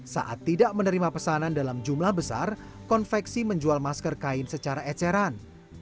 saat tidak menerima pesanan dalam jumlah besar konveksi menjual masker kain secara eceran